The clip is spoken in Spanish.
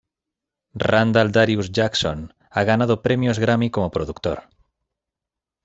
Randall Darius Jackson ha ganado premios Grammy como productor.